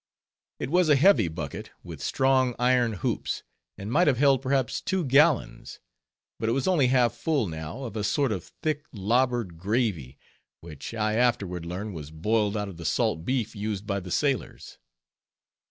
It was a heavy bucket, with strong iron hoops, and might have held perhaps two gallons. But it was only half full now of a sort of thick lobbered gravy, which I afterward learned was boiled out of the salt beef used by the sailors.